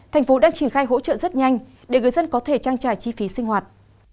tp hcm đang triển khai hỗ trợ rất nhanh để người dân có thể trang trải chi phí sinh hoạt